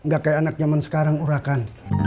gak kayak anak zaman sekarang urakan